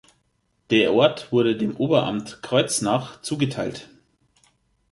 Der Ort wurde dem Oberamt Kreuznach zugeteilt.